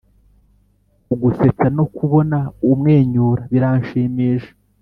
kugusetsa no kubona umwenyura biranshimisha